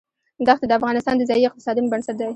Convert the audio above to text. دښتې د افغانستان د ځایي اقتصادونو بنسټ دی.